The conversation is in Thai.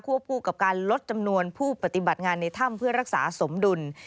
คู่กับการลดจำนวนผู้ปฏิบัติงานในถ้ำเพื่อรักษาสมดุล